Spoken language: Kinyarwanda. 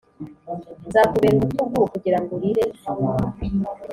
nzakubera urutugu kugirango urire